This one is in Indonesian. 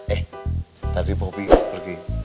eh tadi lopi pergi